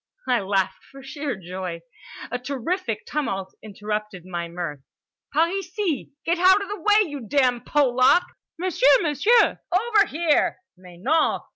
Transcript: I laughed for sheer joy. A terrific tumult interrupted my mirth. "Par ici!"—"Get out of the way you damn Polak!"—"M'sieu, M'sieu!"—"Over here!"—"_Mais non!